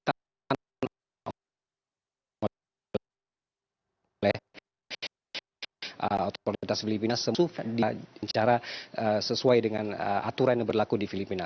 tanpa melakukan penyelesaian oleh otoritas filipina semuanya secara sesuai dengan aturan yang berlaku di filipina